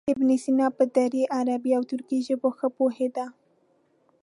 ابن سینا په دري، عربي او ترکي ژبو ښه پوهېده.